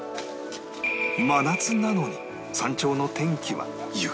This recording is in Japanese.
真夏なのに山頂の天気は雪